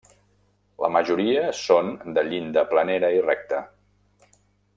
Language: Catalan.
La majoria són de llinda planera i recta.